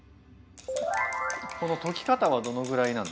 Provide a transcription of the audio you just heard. この溶き方はどのぐらいなんですか？